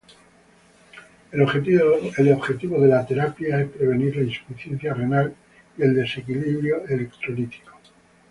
El objetivo de la terapia es prevenir la insuficiencia renal y el desequilibrio electrolítico.